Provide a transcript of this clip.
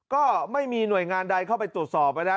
ก็ไม่มีหน่วยงานใดเข้าไปตรวจสอบนะครับ